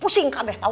pusing kabeh tau